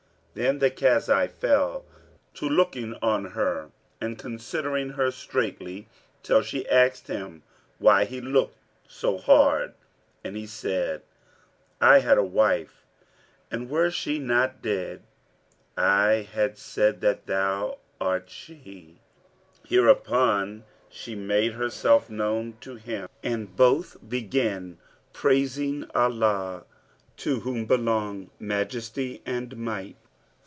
Then the Kazi fell to looking on her and considering her straitly, till she asked him why he looked so hard and he said, "I had a wife and were she not dead, I had said thou art she." Hereupon, she made herself known to him and both began praising Allah (to whom belong Majesty and Might!)